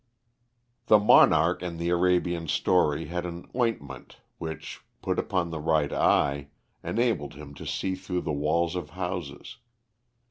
The Monarch in the Arabian story had an ointment which, put upon the right eye, enabled him to see through the walls of houses.